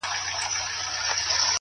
دا خواركۍ راپسي مه ږغـوه”